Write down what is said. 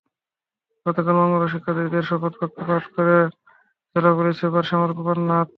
গতকাল মঙ্গলবার শিক্ষার্থীদের শপথবাক্য পাঠ করান জেলা পুলিশ সুপার শ্যামল কুমার নাথ।